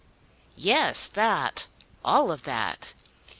"Yes, that; all of that.